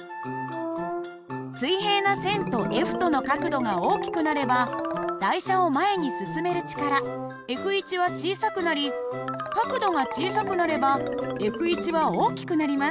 水平な線とＦとの角度が大きくなれば台車を前に進める力Ｆは小さくなり角度が小さくなればＦは大きくなります。